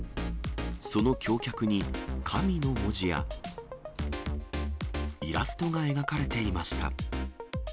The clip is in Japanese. その橋脚に神の文字や、イラストが描かれていました。